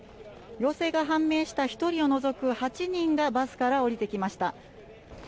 陽性が判明した１人を除く８人がバスから降りてきました。